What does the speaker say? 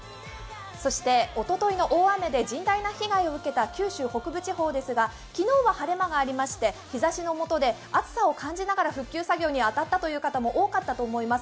そして、おとといの大雨で甚大な被害を受けた九州北部地方ですが、昨日は晴れ間がありまして日ざしの元で暑さを感じながら復旧作業に当たった方も多かったと思います。